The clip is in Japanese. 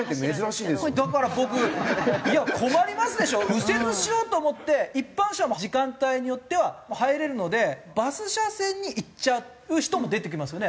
右折しようと思って一般車も時間帯によっては入れるのでバス車線に行っちゃう人も出てきますよね。